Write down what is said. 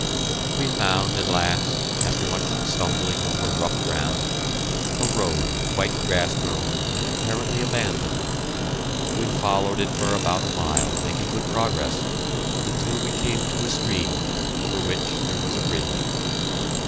We found, at last, after much stumbling over rough ground, a road quite grass grown and apparently abandoned. We followed it for about a mile, making good progress, until we came to a stream over which there was a bridge.